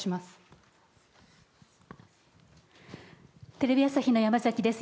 テレビ朝日の山崎です。